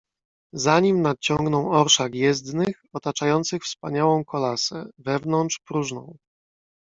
"Za nim nadciągnął orszak jezdnych, otaczających wspaniałą kolasę, wewnątrz próżną."